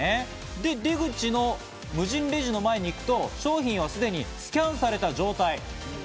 で、出口の無人レジの前に行くと商品はすでにスキャンされた状態。